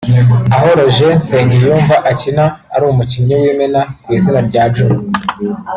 aho Roger Nsengiyumva akina ari umukinnyi w’imena ku izina rya Jumah